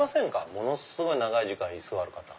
ものすごい長い時間居座る方。